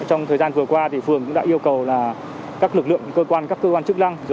trong thời gian vừa qua phường đã yêu cầu các lực lượng cơ quan các cơ quan chức năng